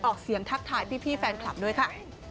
ออกเสียงทักทายพี่แฟนคลับด้วยค่ะ